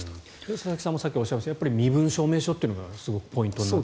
佐々木さんもさっきおっしゃいましたが身分証明書がすごくポイントになると。